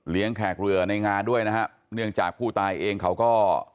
แขกเรือในงานด้วยนะฮะเนื่องจากผู้ตายเองเขาก็